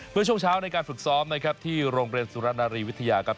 ช่วงเช้าในการฝึกซ้อมนะครับที่โรงเรียนสุรนารีวิทยาครับ